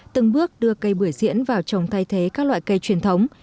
từng bước đưa cây bưởi diễn vào trồng thay thế các loại cây truyền thống